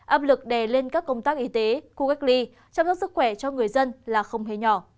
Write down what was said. áp lực đè lên các công tác y tế khu cách ly chăm sóc sức khỏe cho người dân là không hề nhỏ